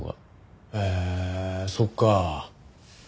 へえそっか。